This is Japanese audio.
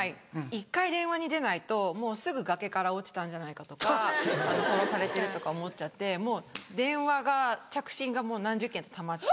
１回電話に出ないともうすぐ崖から落ちたんじゃないかとか殺されてるとか思っちゃって電話が着信がもう何十件とたまって。